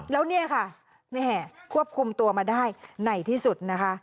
แล้วเนี้ยค่ะนี่แห่งควบคุมตัวมาได้ไหนที่สุดนะคะ